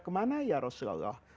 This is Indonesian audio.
kemana ya rasulullah